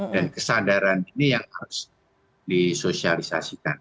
dan kesadaran ini yang harus disosialisasikan